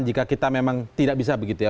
jika kita memang tidak bisa begitu ya